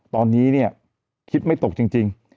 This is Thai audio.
ตอนนี้เนี่ยคิดไม่ตกจริง